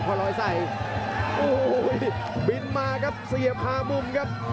เป็นมาครับเสียบข้ามุมครับ